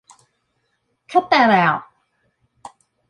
Cut that out!